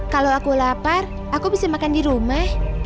kalau aku lapar aku bisa makan di rumah